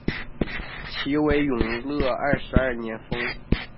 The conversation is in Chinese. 其为永乐二十二年封。